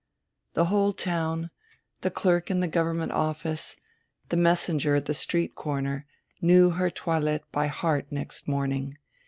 The whole town, the clerk in the Government office, the messenger at the street corner, knew her toilette by heart next morning.